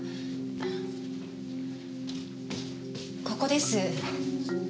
ここです。